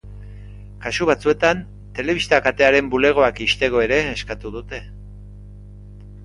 Kasu batzuetan, telebista-katearen bulegoak ixteko ere eskatu dute.